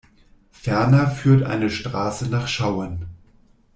Ferner führt eine Straße nach Schauen.